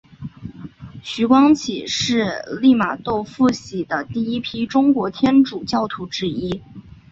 徐光启是利玛窦付洗的第一批中国天主教徒之一。